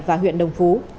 và huyện đồng phú